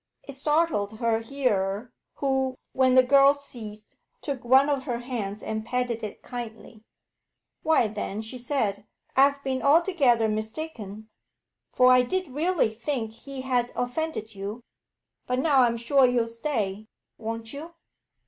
It startled her hearer, who, when the girl ceased, took one of her hands and patted it kindly. 'Why then,' she said, 'I have been altogether mistaken; for I did really think he had offended you. But now I'm sure you'll stay won't you?'